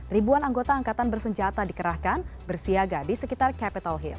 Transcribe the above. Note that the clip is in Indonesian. ribuan anggota angkatan bersenjata dikerahkan bersiaga di sekitar capitol hill